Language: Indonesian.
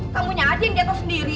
kamu nyadin dia tahu sendiri